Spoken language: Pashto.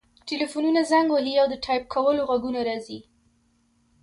ټیلیفونونه زنګ وهي او د ټایپ کولو غږونه راځي